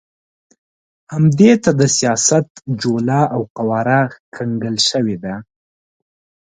همدې ته د سیاست جوله او قواره سکڼل شوې ده.